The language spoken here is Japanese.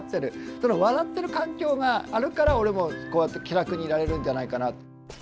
その笑ってる環境があるから俺もこうやって気楽にいられるんじゃないかな。